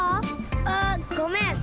あっごめん。